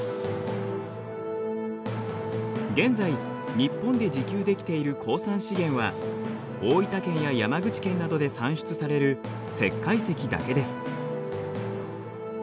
現在日本で自給できている鉱産資源は大分県や山口県などで産出される石灰石だけです。